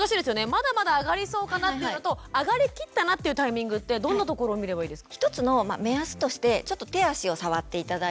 まだまだ上がりそうかなっていうのと上がりきったなっていうタイミングってどんなところを見ればいいですか？